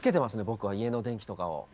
僕は家の電気とかを。